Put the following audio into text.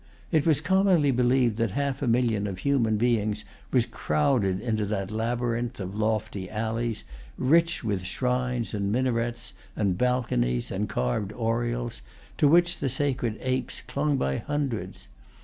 It was commonly believed that half a million of human beings was crowded into that labyrinth[Pg 179] of lofty alleys, rich with shrines, and minarets, and balconies, and carved oriels, to which the sacred apes clung by hundreds.